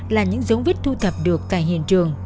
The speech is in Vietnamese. là những dấu vết thu thập được tại hiện trường